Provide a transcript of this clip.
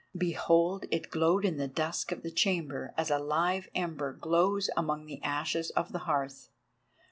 Behold, it glowed in the dusk of the chamber as a live ember glows among the ashes of the hearth.